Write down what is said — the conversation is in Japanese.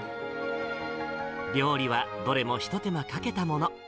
料理はどれもひと手間かけたもの。